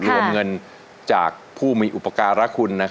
รวมเงินจากผู้มีอุปการะคุณ